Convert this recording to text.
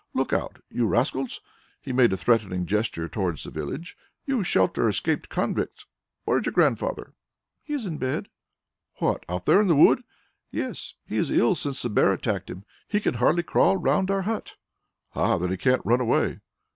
"Look out, you rascals" he made a threatening gesture towards the village "you shelter escaped convicts. Where is your grandfather?" "He is in bed." "What? Out there in the wood?" "Yes; he is ill since the bear attacked him. He can hardly crawl round our hut." "Ah! then he can't run away."